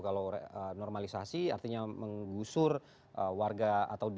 kalau normalisasi artinya mengusur warga atau desa